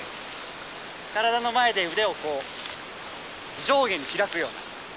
体の前で腕を上下に開くような。